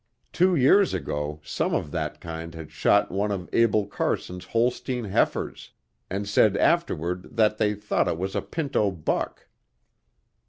Two years ago some of that kind had shot one of Abel Carson's Holstein heifers, and said afterward that they thought it was a pinto buck.